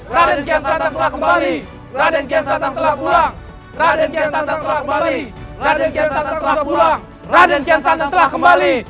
raden kiansantan telah kembali